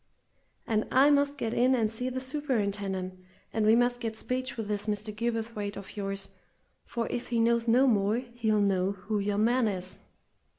And I must get in and see the superintendent, and we must get speech with this Mr. Gilverthwaite of yours for, if he knows no more, he'll know who yon man is!"